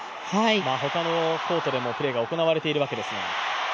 他のコートでもプレーが行われているわけですが。